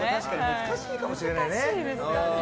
難しいかもしれないね。